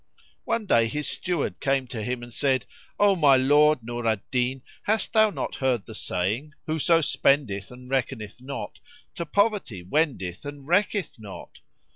One day his Steward came to him and said, "O my lord Nur al Din, hast thou not heard the saying, Whoso spendeth and reckoneth not, to poverty wendeth and recketh not?"